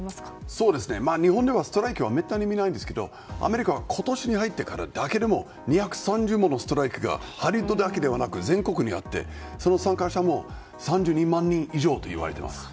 日本でストライキはめったに見ないんですけどアメリカは今年に入ってからだけでも２３０ものストライキがハリウッドだけではなく全国であってその参加者も３２万人以上といわれています。